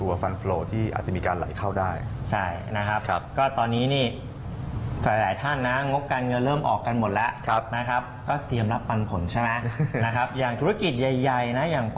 เวลาภกิษใหญ่นะอย่างปลาตทอทที่มีปั๊มเลือดแย้กใช่ไหม